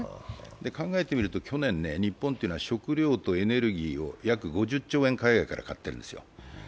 考えてみると、去年、日本というのは食料とエネルギーを約５０兆円、海外から買っているんですよ。